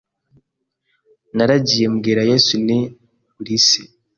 Naragiye mbwira Yesu nti uri se